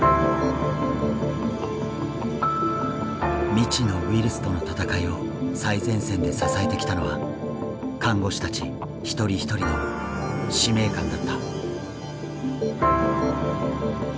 未知のウイルスとの闘いを最前線で支えてきたのは看護師たち一人一人の使命感だった。